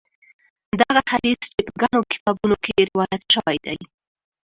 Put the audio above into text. دغه حدیث چې په ګڼو کتابونو کې روایت شوی دی.